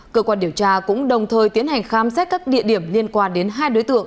cơ quan điều tra cũng đồng thời tiến hành khám xét các địa điểm liên quan đến hai đối tượng